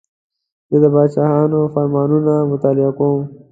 زه د پاچاهانو فرمانونه مطالعه کوم.